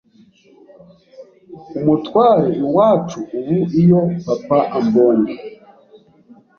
umutware iwacu ubu iyo papa ambonye